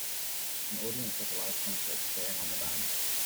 An audience at a live concert cheering on the band.